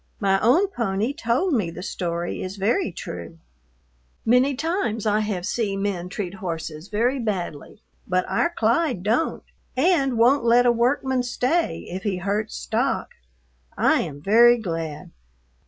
My own pony told me the story is very true. Many times I have see men treat horses very badly, but our Clyde dont, and wont let a workman stay if He hurts stock. I am very glad.